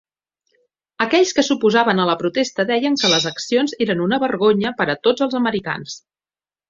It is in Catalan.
Aquells que s'oposaven a la protesta deien que les accions eren una vergonya per a tots els americans.